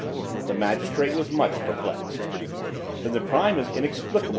The magistrate was much perplexed. "Then the crime is inexplicable, M.